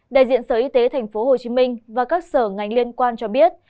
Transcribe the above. đại diện sở y tế tp hcm và các sở ngành liên quan cho biết